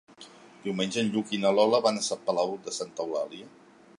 Diumenge en Lluc i na Lola van a Palau de Santa Eulàlia.